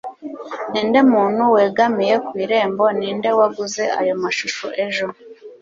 Ninde muntu wegamiye ku irembo Ninde waguze ayo mashusho ejo